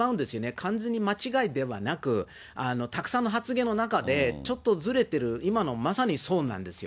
完全に間違いではなく、たくさんの発言の中で、ちょっとずれてる、今のまさにそうなんですよ。